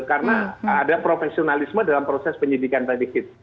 karena ada profesionalisme dalam proses penyidikan tadi gitu